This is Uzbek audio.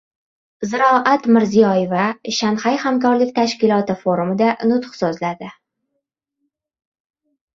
Ziroat Mirziyoyeva Shanxay hamkorlik tashkiloti forumida nutq so‘zladi